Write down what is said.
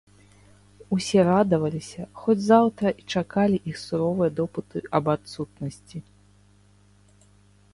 Усе радаваліся, хоць заўтра і чакалі іх суровыя допыты аб адсутнасці.